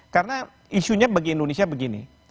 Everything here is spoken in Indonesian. karena isunya bagi indonesia begini